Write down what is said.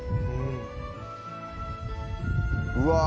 「うわ！」